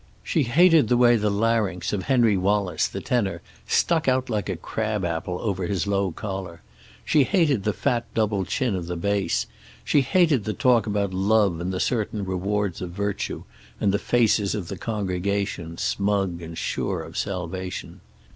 She hated the way the larynx of Henry Wallace, the tenor, stuck out like a crabapple over his low collar. She hated the fat double chin of the bass. She hated the talk about love and the certain rewards of virtue, and the faces of the congregation, smug and sure of salvation.